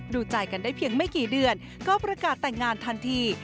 ดูใจกันได้เพียงไม่กี่เดือนก็ประกาศแต่งงานทันที